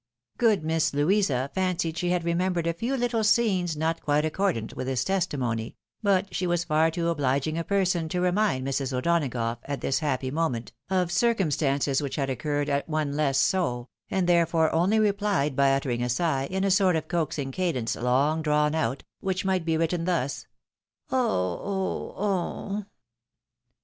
Good Miss Louisa fancied she had. remembered a few little scenes not quite accordant with this testimony ; but she was far too obhging a person to remind Mrs. O'Donagough, at this happy moment, of circumstances which had occurred at one less so, and therefore only rephed by uttering a sigh, in a sort of coaxing cadence long drawn out, which might be •written thus : Ough — ugh — gh